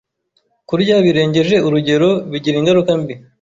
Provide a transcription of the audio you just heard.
Kurya birengeje urugero bigira ingaruka mbi